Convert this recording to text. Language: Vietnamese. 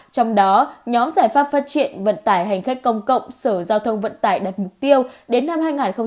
trong đó nhóm giải pháp phát triển vận tải hành khắc công cộng sở giao thông vận tải đặt mục tiêu đến năm hai nghìn hai mươi năm